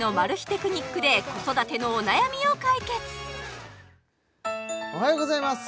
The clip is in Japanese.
テクニックで子育てのお悩みを解決おはようございます！